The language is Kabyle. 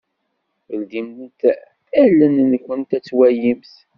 Ldimt allen-nkunt ad twalimt.